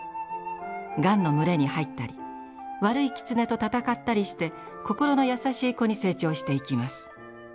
ガンの群れに入ったり悪いキツネと戦ったりして心の優しい子に成長していきます。